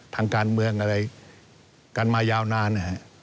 ทางการเมืองอะไรกันมายาวนาน